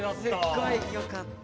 すっごいよかった。